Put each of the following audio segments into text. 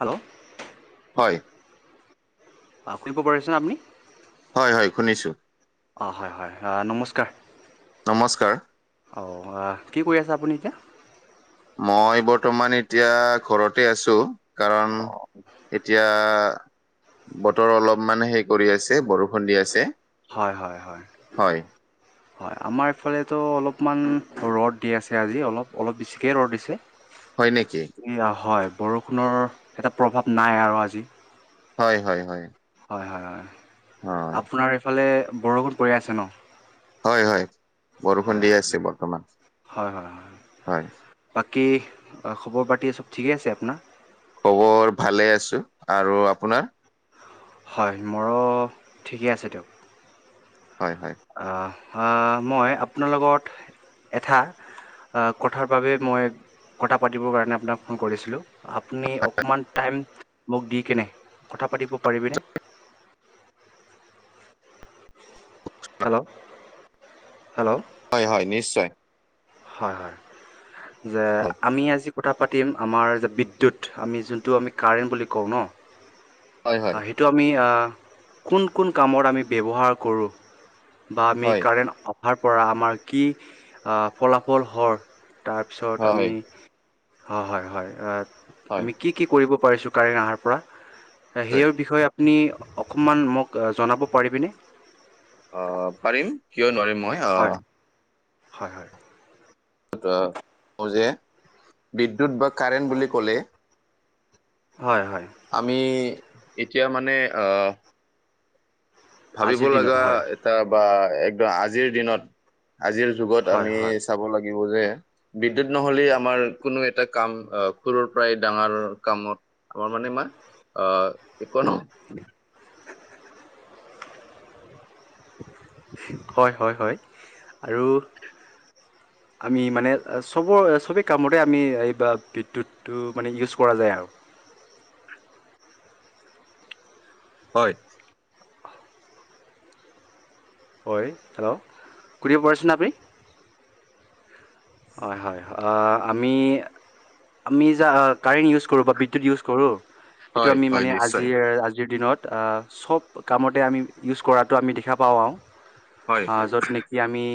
Hello অঁ হয়। অ', শুনিব পাৰিছেনে আপুনি? হয়, হয়, শুনিছোঁ। অ', হয়, হয়, নমস্কাৰ। নমস্কাৰ। অ' ৱাহ কি কৰি আছে আপুনি এতিয়া? মই বৰ্তমান এতিয়া ঘৰতে আছো কাৰণ এতিয়া বতৰ অলপমান হে কৰি আছে বৰষুণ দি আছে। হয়, হয়, হয়। হয়, হয় আমাৰ ইফালেতো অলপমান ৰ'দ দি আছে আজি অলপ অলপ বেছিকে ৰ'দ দিছে। [inaudible] হয় নেকি? হয় বৰষুণৰ এটা প্ৰভাৱ নাই আৰু আজি। হয়, হয়, হয়। হয়, হয়, হয়, হয়, আপোনাৰ এইফালে বৰষণ পৰি আছে ন? হয়, হয় বৰষুণ হয় দি আছে বৰ্তমান হয় হয় হয় হয়। বাকী খবৰ পাতি চব ঠিকে আছে আপোনাৰ? খবৰ ভালে আছো আৰু আপোনাৰ? হয় মোৰো ঠিকে আছে দিয়ক। হয়, হয়। আহ, হ মই আপোনাৰ লগত এটা অ' কথাৰ বাবে মই কথা পাতিবৰ কাৰণে আপোনাক ফোন কৰিছিলো। আপুনি অকমান টাইম মোক দি কেনে কথা পাতিব পাৰিবিনে? হেল্ল' হেল্ল' হয়, হয় নিশ্চয়। হয়, হয় যে হয়, আমি আজি কথা পাতিম আমাৰ বিদ্যুৎ আমি যোনটো আমি কাৰেণ্ট বুলি কওঁ ন? হয়, হয়, সেইটো আমি কোন, কোন কামত আমি ব্যৱহাৰ কৰো? বা আমি হয়, কাৰেণ্ট অহাৰ পৰা আমাৰ কি ফলাফল হৰ। তাৰপিছত হয়, আমি হ হয়, হয়, হয় অ' হয়, আমি কি কি কৰিব পাৰিছো কাৰেণ্টে অহাৰ পৰা নিশ্চয়। সেইও বিষয়ে আপুনি অকণমান মোক জনাব পাৰিবিনে? অ' পাৰিম কিয় নোৱাৰিম মই অ' হয় হয়, হয়। কও যে বিদ্যুৎ বা কাৰেণ্ট বুলি ক'লে? হয়, হয়। আমি এতিয়া মানে অ' ভাবিব আজিৰ দিনত লগা হয় এটা বা একদম আজিৰ দিনত আজিৰ যুগত হয় আমি হয় চাব লাগিব যে বিদ্যুত নহলে আমাৰ কোনো এটা কাম আহ খৰুৰ পৰাই ডাঙৰ কামত আমাৰ মানে ইমা আহ একো নহয়। হয়, হয়, হয় আৰু আমি মানে চবৰে সবেই কামৰে আমি এইব বিদ্যুৎ টো মানে ইউজ কৰা যায় আৰু। হয়। হয় হেল্ল' শুনিব পাৰছেনে আপুনি? হয়, হয় আমি আমি যা কাৰেণ্ট ইউজ কৰো বা বিদ্যুৎ ইউজ কৰো। সেইটো হয় আমি হয় মানে নিশ্চয় আজিৰ, আজিৰ দিনত চব কামতে আমি ইউজ কৰাটো আমি দেখা পাওঁ আৰু হয় য'ত নে কি আমি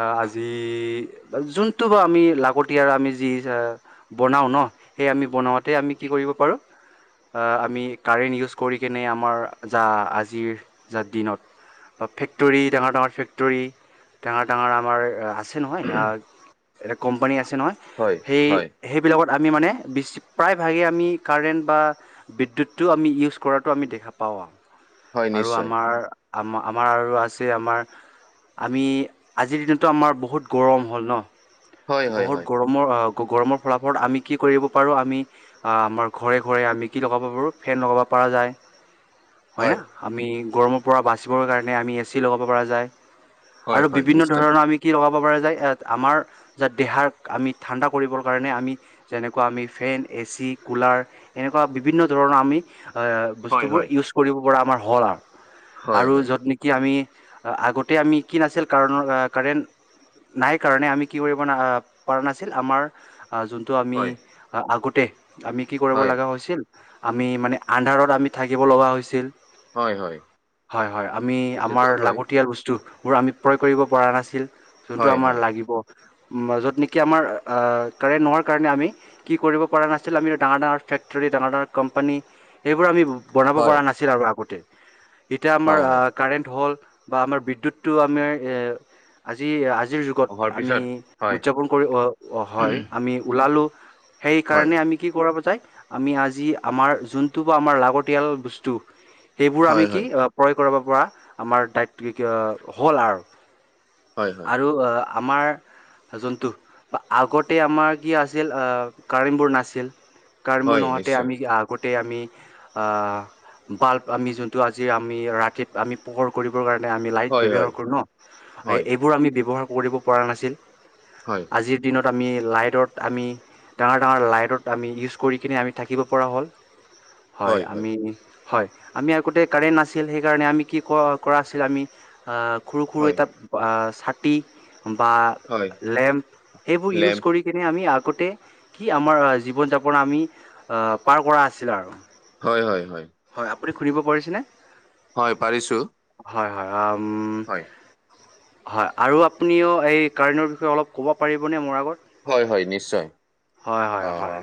আ আজি- যোনটো বা আমি লাগতিয়াৰ আমি যি যা- বনাওঁ ন, সেই আমি বনাওঁতে আমি কি কৰিব পাৰোঁ- আ আমি কাৰেণ্ট ইউজ কৰি কেনে আমাৰ যা আজিৰ যা দিনত- ফেক্টৰী ডাঙৰ-ডাঙৰ ফেক্টৰী ডাঙৰ-ডাঙৰ আমাৰ আছে- ছে নহয়, এটা কম্পানী আছে নহয়। হয় সেই- হয় সেইবিলাকত আমি মানে বেছি প্ৰায়ভাগেই আমি কাৰেণ্ট বা- বিদ্যুতটো আমি ইউজ কৰাটো আমি দেখা পাওঁ আও হয় আৰু নিশ্চয় আমাৰ- আমা আমাৰ আৰু আছে আমাৰ- আমি আজিৰ দিনতো আমাৰ বহুত গৰম হ'ল ন'। হয় হয় বহুত হয় গৰমৰ, আহ গৰমৰ ফলাফলত আমি কি কৰিব পাৰোঁ আমি- আ আমাৰ ঘৰে-ঘৰে আমি কি লগাব পাৰোঁ? ফেন লগাব পৰা যায়। হয় না? আমি গৰমৰ পৰা বাচিবৰ কাৰণে আমি এ চি লগাব পৰা যায়। হয় আৰু হয় বিভিন্ন নিশ্চয় ধৰণৰ আমি কি লগাব পাৰ যায়? এ, আমাৰ- যাত দেহাক আমি ঠাণ্ডা কৰিবৰ কাৰণে আমি- যেনেকুৱা আমি ফেন এ চি কুলাৰ এনেকুৱা বিভিন্ন ধৰণৰ আমি এ- হয় বস্তুবোৰ হয় ইউজ কৰিব পৰা আমাৰ সহজ আও। হয় আৰু হয় য'ত নেক- কি আমি আগতে আমি কি নাছিল কাৰণৰ কাৰেণ্ট নাই কাৰণে আমি- কি কৰিব পৰা নাছিল আমাৰ আঁ যোনটো আমি হয় আগতে আমি- কি কৰিব হয় লগা হৈছিল আমি মানে আন্দাৰত আমি থাকিব লগা হৈছিল। হয় হয় হয় হয়, আমি এতিয়াতো আমাৰ হয় লাগতিয়াল বস্তু বোৰ আমি- ক্ৰয় কৰিব পৰা নাছিল যোনটো হয় আমাৰ হয় লাগিব। মাজত নেকি আমাৰ কাৰেণ্ট নোহোৱাৰ কাৰণে আমি- কি কৰিব পৰা নাছিল, আমিটো ডাঙৰ-ডাঙৰ ফেক্টৰী ডাঙৰ-ডাঙৰ কোম্পানী- সেইবোৰ আমি বনাব হয় পৰা নাছিল আৰু আগতে। এতিয়া আমাৰ হয় হয় কাৰেণ্ট হ'ল বা আমাৰ বিদ্যুৎটো আমি আজি আজিৰ যুগ- অহাৰ আমি পিছত হয় উদযাপন কৰি হয় আমি ওলালো, হয়, সেইকাৰণে আমি- কি কৰাব যায় আমি আজি আমাৰ যোনটো বা আমাৰ লাগতিয়াল বস্তু- সেইবোৰ আমি হয়, কি হয়, প্ৰয়োগ কৰা পৰা আমাৰ দায়িত কি কি অ হ'ল আৰু। হয়, হয়, আৰু অ আমাৰ- যোনটো বা আগতে আমাৰ কি আছিল অ কাৰেণ্টবোৰ নাছিল। কাৰেণবোৰ হয়, নহওতে নিশ্চয়। আমি আ- গোটেই আমি আ বাল্ব আমি যোনটো আজি আমি ৰাতিত আমি- পোহৰ কৰিবৰ কাৰণে আমি লাইট হয়, হয়, ব্যৱহাৰ কৰো ন' হয়, এইবোৰ আমি ব্যৱহাৰ কৰিব পৰা নাছিল। হয়। আজিৰ দিনত আমি লাইটত আমি- ডাঙৰ ডাঙৰ লাইটত আমি ইউজ কৰি কিনে আমি থাকিব পৰা হ'ল। হয় আমি- হয়, আমি আগতে কাৰেণ্ট নাছিল সেইকাৰণে আমি কি কৰা আছিল আমি অঁ- সৰু সৰু হয়, এটা অ ছাকি বা হয়, লেম্প সেইবোৰ ইউজ লেম্প, কৰি- কিনি আমি আগতে কি আমাৰ জীৱন যাপন আমি পাৰ কৰা আছিল আৰু। হয় হয় হয়। হয়, আপুনি শুনিব পাৰিছেনে? হয় পাৰিছোঁ। হয় হয়, অম- হয়, হয়, আৰু আপুনিও এই কাৰণৰ বিষয়ে অলপ ক'ব পাৰিবনে মোৰ আগত? হয়, হয়, নিশ্চয়। হয়, হয়, হয়। অ'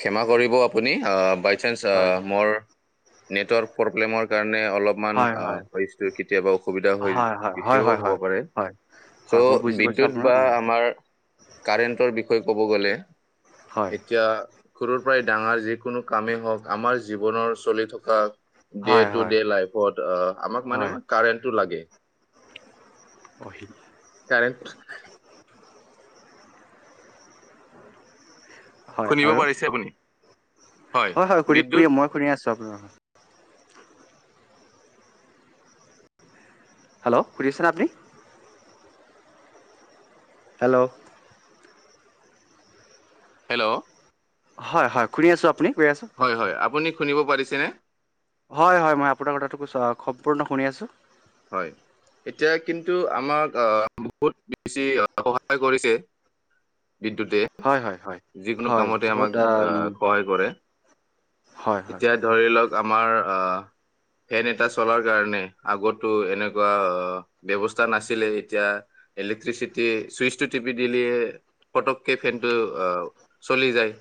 ক্ষমা কৰিব আপুনি, অ' বাইচান্স হয় আঁ মোৰ নেটৱৰ্ক প্ৰব্লেমৰ কাৰণে, অলপ মান, হয় হয় ভইচটো কেতিয়াবা অসুবিধা হয়, হয় [unintelligible] হয় হ'বও হয় পাৰে। হয় চ' হয় মই বুজি পাইছোঁ বিদ্যুৎ আপোনাৰ বা অঁ আমাৰ কাৰেণ্টৰ বিষয়ে ক'ব গ'লে! হয় এতিয়া, সৰুৰ পৰাই, ডাঙৰ যিকোনো কামেই হওঁক, আমাৰ জীৱনৰ চলি থকা ডে হয় টু হয় ডে লাইফত, অ' আমাক মানে, হয় কাৰেণ্টটো লাগে। হয়। কাৰেন্ট হয় শুনিব আৰু পাৰিছে আপুনি? হয়, হয়, [unintelligible] মই শুনি আছোঁ, আপোনাৰ কথা। হেল্ল'! শুনিছেনে আপুনি? হেল্ল'! হেল্ল'! হয়, হয়, শুনি আছোঁ। আপুনি কি কৰি আছে? হয়, হয়, আপুনি শুনিব পাৰিছেনে? হয়, হয়, মই আপোনাৰ কথাটো, [unintelligible] সম্পূৰ্ণ শুনি আছোঁ। হয়! এতিয়া কিন্তু, আমাক আঁ বহুত বেছি সহায় কৰিছে। বিদ্যুতে। হয় হয় হয় যিকোনো হয় কামতে বহুত আমাক আঁ সহায় কৰে। হয় হয় এতিয়া, ধৰি লওঁক, আমাৰ আঁ ফেন এটা চলাৰ কাৰণে, আগত তো এনেকুৱা ব্যৱস্থা নাছিলে। এতিয়া, ইলেক্ট্ৰিচিটি, চুইচটো টিপি দিলিয়ে পটককে ফেনটো চলি যায়।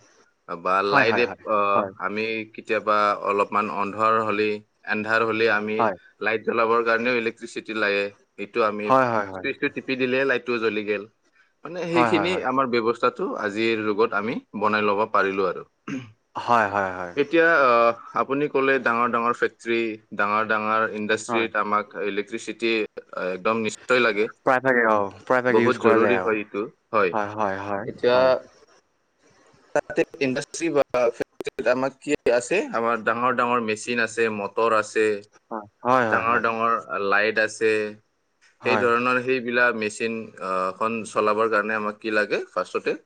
বা হয় হয় লাইটে, হয় আমি কেতিয়াবা অলপমান, এন্ধাৰ হ'লেই, এন্ধাৰ হ'লে আমি হয় হয় লাইট জ্বলাবৰ কাৰণেও ইলেক্ট্ৰিচিটি লাগে। সেইটো আমি, হয় হয় চুইচটো টিপি দিলেই, লাইটটো জ্বলি গেল। মানে হয় হয় হয় সেইখিনি আমাৰ ব্যৱ তাতো, আজিৰ যুগত আমি, বনাই ল'ব পাৰিলোঁ আৰু। হয়, হয়, হয়। এতিয়া, আপুনি ক'লেই, ডাঙৰ-ডাঙৰ ফেক্টৰী, ডাঙৰ-ডাঙৰ হয় ইণ্ডাষ্ট্ৰীত ইলেক্ট্ৰিচিটি আঁ নিশ্চয় লাগে। প্ৰায় ভাগে অ'! প্ৰায়ভাগে বহুত ইউজ কৰা যায় জৰুৰী আৰু। হয় এইটো হয়, হয়, হয়, এতিয়া হয়। [inaudible] তাতে ইণ্ডাষ্ট্ৰী বা [unintelligible] আমাৰ কি আছে? আমাৰ ডাঙৰ-ডাঙৰ মেচিন আছে, মটৰ আছে। হয়, হয়! হয় ডাঙৰ-ডাঙৰ লাইট আছে। সেই হয় ধৰণৰ, সেইবিলাক, মেচিনখন আঁ চলাবৰ কাৰণে, আমাক কি লাগে, ফাৰ্ষ্টতে?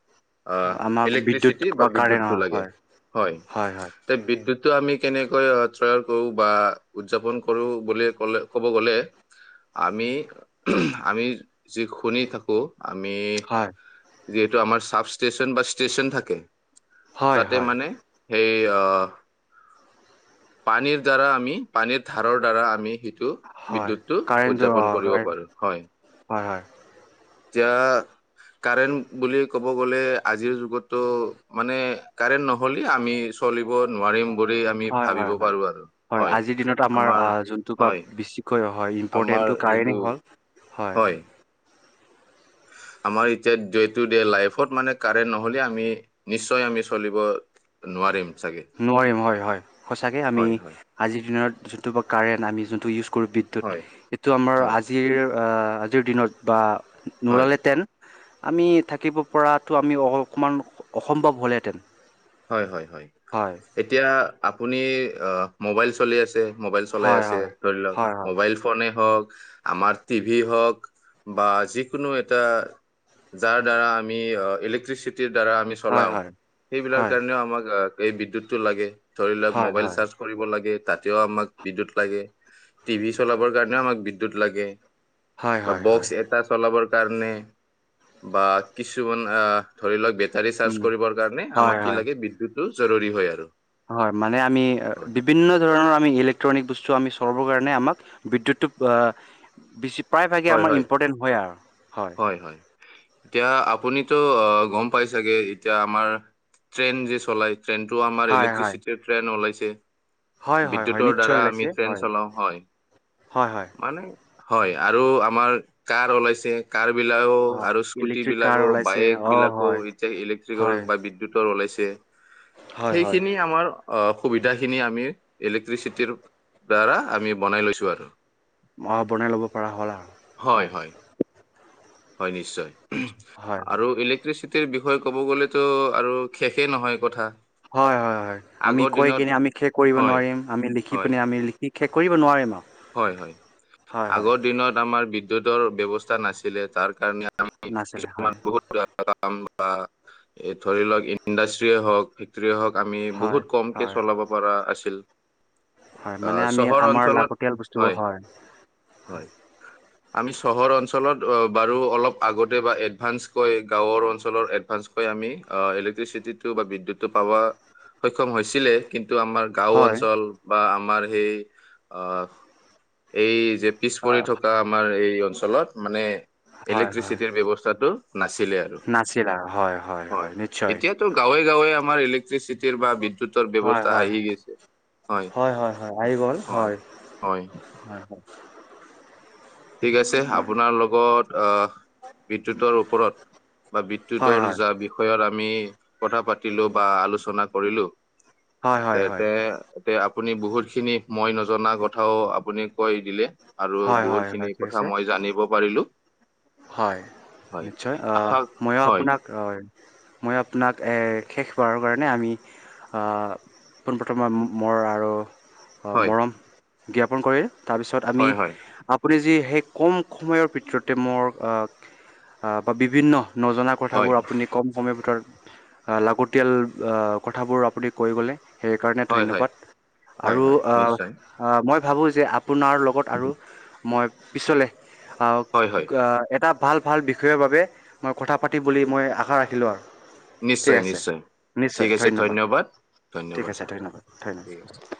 আঁ আমাক বিদ্যুৎ ইলেক্ট্ৰিচিটি বা কাৰেণ্ট অ বিদ্যুতটো লাগে, হয় হয়। [unintelligible] বিদ্যুতটো আমি, কেনেকৈ [unintelligible] কৰোঁ বা উদযাপন কৰোঁ বুলি ক'লে, ক'ব গ'লে! আমি, আমি যি, শুনি থাকোঁ, আমি, হয় যিহেতু আমাৰ, চাব-ষ্টেচন বা ষ্টেচন থাকে। হয় তাতে হয় মানে সেই আহ, পানীৰ দ্বাৰা আমি, পানীৰ ধাৰৰ দ্বাৰা আমি টো হয় বিদ্যুতটো কাৰেণ্ট উদযাপন অ কৰিব কাৰেণ্ট পাৰো হয়। হয় হয় যা কাৰেণ্ট বুলি ক'ব গ'লে আজিৰ যুগতো মানে কাৰেণ্ট নহ'লে আমি চলিব নোৱাৰিম বুলি আমি হয়, হয়, ভাবিব হয়, পাৰো আৰু হয়। আমাৰ হয় তোমাৰ বেছিকৈ হয়, আমাৰ ইম্পৰ্টেনটো যিটো কাৰণেই হ'ল। হয়। আমাৰ এতিয়া ডে টু ডে লাইফত মানে কাৰেণ্ট নহ'লে আমি নিশ্চয় আমি চলিব নোৱাৰিম চাগে নোৱাৰিম নোৱাৰিম হয়, সচাকে আমি হয় হয় আজিৰ দিনত যোনটো কাৰেণ্ট আমি যোনটো ইউজ কৰোঁ বিদ ত হয় এইটো আমাৰ হয় আজিৰ আজিৰ দিনত বা হয় [unintelligible] টেন আমি থাকিব পৰাটো আমি অ অকণমান অসম্ভৱ হ'লহেঁতেন। হয় হয় হয়। হয় এতিয়া আপুনি অ মোবাইল চলি আছে মোবাইল চলাই হয়, আছে হয়, ধৰি লওঁক হয়, হয়, মোবাইল ফোনে হওঁক, আমাৰ টিভি হওঁক বা যিকোনো এটা যাৰ দ্বাৰা আমি ইলেক্ট্ৰিচিটিৰ দ্বাৰা আমি হয়, চলাও হয়, সেইগিলৰ হয়, কাৰণেও আমাক বিদ্যুত লাগে ধৰি লোৱা হয়, মোবাইল হয়, চাৰ্জ কৰিব লাগে তাতেও আমাক বিদ্যুৎত লাগে, টিভি চলাবৰ কাৰণে আমাক বিদ্যুৎ লাগে। হয়, বা হয়, হয়, বক্স এটা চলাবৰ কাৰণে বা কিছুমান আহ ধৰি লওক বেটাৰী চাৰ্জ উম কৰিবৰ কাৰণে হয়, আমাক কি হয়, লাগে বিদ্যৎতটো জৰুৰী হয় আৰু। হয় মানে আমি হয় বিভিন্ন ধৰণৰ আমি ইলেক্ট্ৰনিক বস্তু আমি চলাবৰ কাৰণে আমাক বিদ্যুৎটো বেছি প্ৰায়ভাগে হয় আমাৰ হয় ইম্পৰ্টেণ্ট হয় আৰু হয়। এতিয়া আপুনিতো গম পাই চাগে এতিয়া আমাৰ ট্ৰেইন যে চলাই ট্ৰেইনটো আমাৰ হয় হয় ইলেক্ট্ৰট্ৰিছিতি ট্ৰেইন ওলাইছে। হয় হয় হয় বিদ্যৎতৰ নিশ্চয় দ্বাৰা আমি ওলাইছে ট্ৰেইন হয় চলাও হয়। হয় হয় মানে হয় আৰু আমাৰ কাৰ ওলাইছে কাৰ বিলাকো অ আৰু স্কুটি ইলেক্ট্ৰিক কাৰ বিলাকো, ওলাইছে বাইক অ বিলাকো হয় এতিয়া ইলেক্ট্ৰিকৰ হয় বা বি বিদ্যুতৰ ওলাইছে, হয় হয় সেইখিনি আমাৰ অ সুবিধাখিনি আমি ইলেক্ট্ৰিচিটিৰ দ্বাৰা আমি বনাই লৈছোঁ আৰু। অ বনাই ল'ব পৰা হ'ল আৰু। হয় হয়। হয় নিশ্চয় হয় হয় আৰু ইলেক্ট্ৰিচিটি বিষয়ে ক'ব গ'লেতো আৰু শেষেই নহয় কথা। হয়-হয়-হয় আমি আগৰ কৈ দিনত কিনে আমি শেষ কৰিব হয় নোৱাৰিম। আমি লিখি হয় পিনে আমি কি শেষ কৰিব নোৱাৰিম আৰু। হয় হয়। হয় হয় আগৰ দিনত আমাৰ বিদ্যুৎৰ ব্যৱস্থা নাছিলে তাৰ কাৰণে আমি নাছিলে হয় কিছুমান বহুত [unintelligible] ধৰি লওঁক ইণ্ডাষ্ট্ৰিয়ে হওক ফেক্টৰীয়ে হওঁক আমি হয় বহুত কমকে হয় চলাব পৰা আছিল হয় আ মানে আমি চহৰ আমাৰ অঞ্চলত লাগতিয়াল বস্তুবোৰ হয় হয়। আমি চহৰ অঞ্চলত বাৰু অলপ আগতে বা এডভান্স কৈ গাঁওৰ অঞ্চলৰ এডভান্স আমি অ ইলেক্ট্ৰিচিটিটো বা বিদ্যুতটো পাব সক্ষম হৈছিলে কিন্তু আমাৰ গাঁও হয়, অঞ্চল বা আমাৰ সেই আহ এই যে পিছ আ পৰি থকা আমাৰ এই অঞ্চলত মানে ইলেক্ট্ৰিচিটিৰ ব্যৱস্থাটো নাছিলে। আৰু নাছিলে হয় হয় নিশ্চয়। ত' গাঁৱে গাঁৱে আমাৰ ইলে ক্ট্ৰিচিটিৰ বা বিদ্যুতৰ হয়, ব্যৱস্থা হয়, আহি গৈছে, হয় হয়। হয়। আৰু কওঁক? ঠিক আছে আপোনাৰ লগত অহ বিদ্যুতৰ ওপৰত বা হয়, বিদ্যুতৰ হয়, যা বি ষয়ৰ আমি কথা পাতিলো বা আলোচনা কৰিলো, হয়, তেন্তে তে আপুনি বহুত খিনি মই নজনা কথাও আপুনি কৈ দিলে, আৰু হয়, হয়, বহুত হয়, খিনি ঠিক কথা আছে মই জানিব পাৰিলো। হয়, হয় নিশ্চয়। আহ আশা মইও হয় আপোনাক হয়, মই আপোনাক শেষ বাৰৰ কাৰণে আমি পোনপ্ৰথমে মোৰ আৰু হয় মৰম জ্ঞাপন কৰি তাৰপিছত আমি হয় হয় আপুনি যি ক'ম সময়ৰ ভিতৰতে মোৰ বিভিন্ন নজনা হয় কথাবোৰ আপুনি ক'ম সময়ৰ ভিতৰত লাগতিয়াল কথাবোৰ আপুনি কৈ গ'লে সেইকাৰণে হয় হয় ধন্যবাদ। হয় আৰু হয় আহ নিশ্চয় মই ভাবোঁ যে আপোনাৰ লগত আৰু মই পিছলে হয়, হয়। এটা ভাল ভাল বিষয়ৰ বাবে মই কথা পাতিম বুলি মই আশা ৰাখিলোঁ আৰু। ঠিক নিশ্চয় আছে, নিশ্চয় নিশ্চয় ঠিক আছে ধন্যবাদ ঠিক ধন্যবাদ আছে ধন্যবাদ ঠিক আছে ধন্যবাদ।